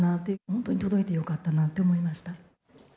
本当に届いてよかったなぁと思いました。